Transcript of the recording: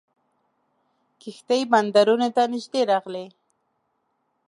کښتۍ بندرونو ته نیژدې راغلې.